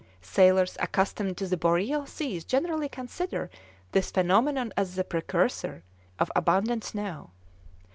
Sailors accustomed to the boreal seas generally consider this phenomenon as the precursor of abundant snow.